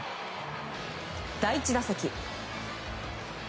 第１打席。